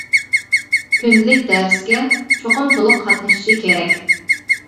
كۈندىلىك دەرسىگە چوقۇم تولۇق قاتنىشىشى كېرەك.